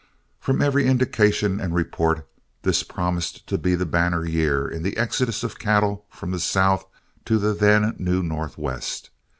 From every indication and report, this promised to be the banner year in the exodus of cattle from the South to the then new Northwest.